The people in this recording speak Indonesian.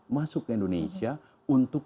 masuk ke indonesia untuk